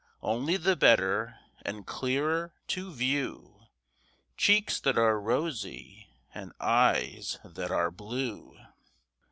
Only the better and clearer to view Cheeks that are rosy and eyes that are blue.